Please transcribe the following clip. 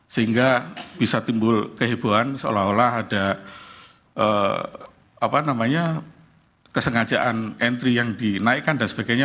sehingga bisa timbul kehebohan seolah olah ada kesengajaan entry yang dinaikkan dan sebagainya